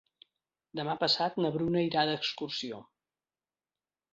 Demà passat na Bruna irà d'excursió.